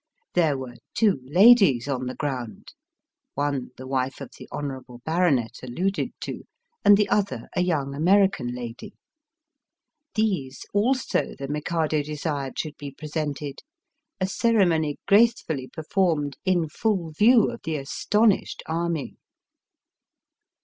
There were two ladies on the ground — one the wife of the hon. baronet alluded to, and the other a young American lady. These also the Mikado desired should be presented, a ceremony gracefully performed in full view of the astonished army.